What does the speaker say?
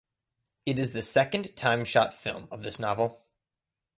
It is the second time shot film of this novel.